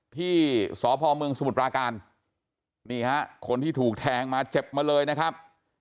ที่สพเมืองสมุทรปราการนี่ฮะคนที่ถูกแทงมาเจ็บมาเลยนะครับ